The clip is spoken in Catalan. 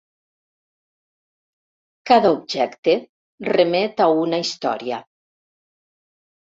Cada objecte remet a una història.